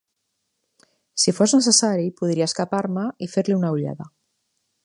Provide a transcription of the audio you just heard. Si fos necessari, podria escapar-me i fer-li una ullada.